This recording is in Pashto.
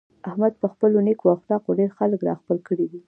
احمد په خپلو نېکو اخلاقو ډېر خلک را خپل کړي دي.